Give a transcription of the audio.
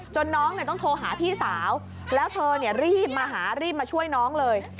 จนน้องต้องโทรหาพี่สาวแล้วเธอรีบมาช่วยน้องเลย